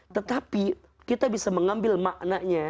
tetapi kita bisa mengambil maknanya